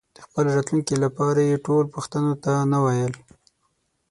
د خپل راتلونکي لپاره یې ټولو پوښتنو ته نه وویل.